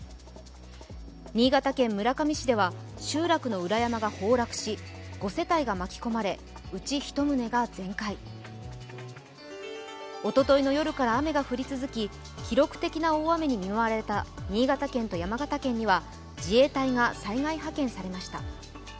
新潟県村上市では集落の裏山が崩落し５世帯が巻き込まれ、うち１棟が全壊おとといの夜から雨が降り続き、記録的な大雨に見舞われた新潟県と山形県には自衛隊が災害派遣されました。